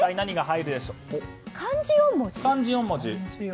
えっ、漢字４文字？